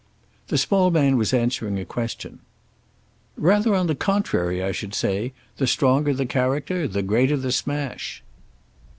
The small man was answering a question. "Rather on the contrary, I should say. The stronger the character the greater the smash."